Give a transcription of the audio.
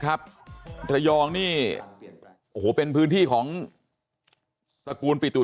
นะครับไบรองหมื่นนี่โอ้โหเป็นพื้นที่ของสกุลตุ๊ก